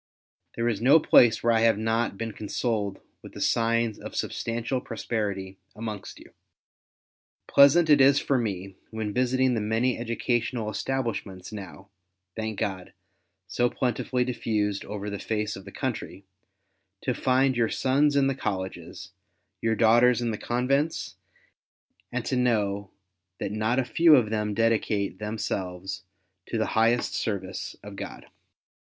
There is no place where I have not been consoled with the signs of substantial prosperity amongst you. Pleasant it is for me, when visiting the many educational establishments now, thank God, so plentifully diffused over the face of the country, to find your sons in the Colleges, your daughters in the Convents, and to know that not a few of them dedicate M 162 WAR OF ANTICHRIST WITH THE CHURCH. themselves to the highest service of God.